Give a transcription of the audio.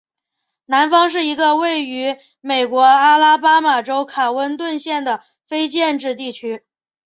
南方是一个位于美国阿拉巴马州卡温顿县的非建制地区。